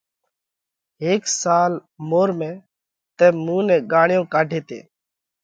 هيڪ سال مورمئہ تئين مُون نئہ ڳاۯيون ڪاڍي تي۔